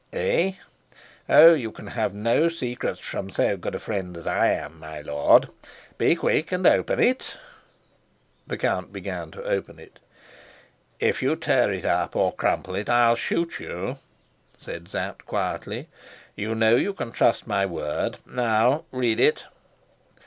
"Eh? Oh, you can have no secrets from so good a friend as I am, my lord. Be quick and open it." The count began to open it. "If you tear it up, or crumple it, I'll shoot you," said Sapt quietly. "You know you can trust my word. Now read it."